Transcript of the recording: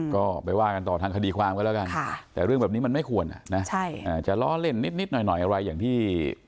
ก็ไปว่ากันต่อทางคดีความกันแล้วกันแต่เรื่องแบบนี้มันไม่ควรจะล้อเล่นนิดหน่อยอะไรอย่างที่